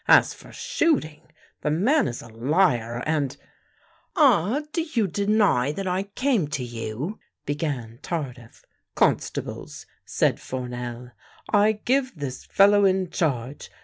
As for shooting — the man is a liar and "" Ah, do you deny that I came to you —" began Tardif. " Constables," said Fournel, " I give this fellow in charge.